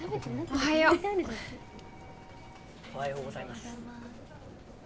おはようおはようございます